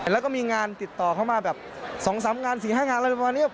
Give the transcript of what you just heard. แล้วก็มีงานติดต่อเข้ามาแบบ๒๓งาน๔๕งานอะไรประมาณนี้